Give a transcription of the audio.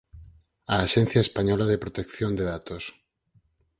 A Axencia Española de Protección de Datos.